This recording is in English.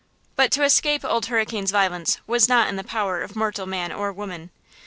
But to escape Old Hurricane's violence was not in the power of mortal man or woman.